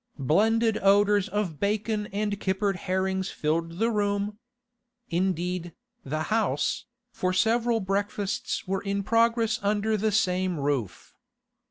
Blended odours of bacon and kippered herrings filled the room—indeed, the house, for several breakfasts were in progress under the same roof.